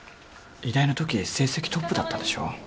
医大のとき成績トップだったでしょ？